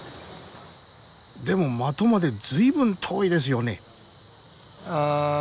でも的まで随分遠いですよね。